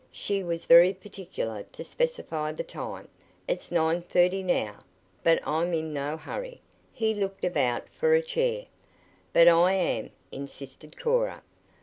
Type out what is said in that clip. "She was very particular to specify the time. It's nine thirty now, but I'm in no hurry," and he looked about for a chair. "But I am," insisted Cora.